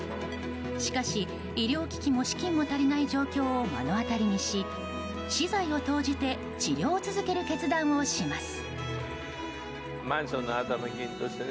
しかし、医療機器も資金も足りない状況を目の当たりにし資材を投じて治療を続ける決断をします。